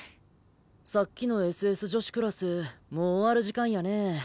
さっきのＳＳ女子クラスもう終わる時間やねぇ。